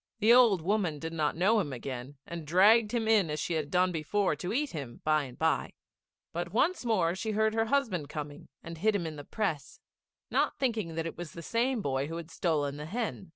The old woman did not know him again, and dragged him in as she had done before to eat him by and by; but once more she heard her husband coming and hid him in the press, not thinking that it was the same boy who had stolen the hen.